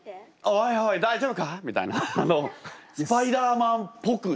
「おいおい大丈夫か」みたいなのスパイダーマンっぽくしたんだぜ。